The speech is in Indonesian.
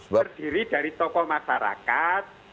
berdiri dari tokoh masyarakat